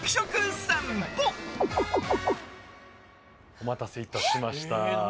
お待たせいたしました。